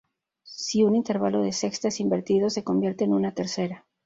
Si un intervalo de sexta es invertido se convierte en una tercera.